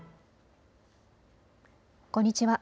こんにちは。